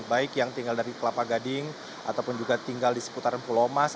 baik yang tinggal dari kelapa gading ataupun juga tinggal di seputaran pulau mas